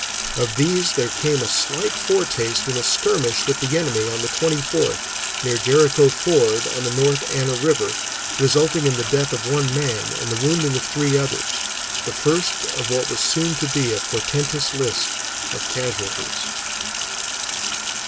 Of these there came a slight foretaste in a skirmish with the enemy on the 24th near Jericho Ford on the North Anna River, resulting in the death of one man and the wounding of three others, the first of what was soon to be a portentous list of casualties.